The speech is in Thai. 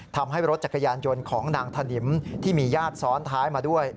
ทำให้รถจักรยานยนต์ของนางถนิมที่มีญาติซ้อนท้ายมาด้วย